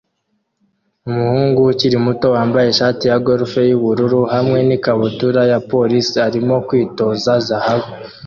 Umuhungu ukiri muto wambaye ishati ya golf yubururu hamwe nikabutura ya policei arimo kwitoza zahabu